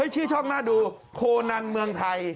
ชื่อช่องหน้าดูโคนันเมืองไทย